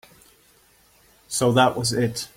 So that was it.